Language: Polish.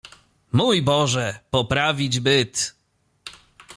"Mój Boże, poprawić byt!"